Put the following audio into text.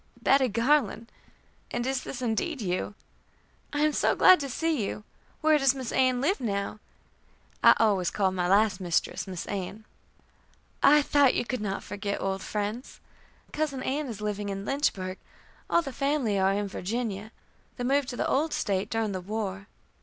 "Bettie Garland! And is this indeed you? I am so glad to see you. Where does Miss Ann[e] live now?" I always called my last mistress, Miss Ann[e]. "Ah! I thought you could not forget old friends. Cousin Ann[e] is living in Lynchburg. All the family are in Virginia. They moved to the old State during the war.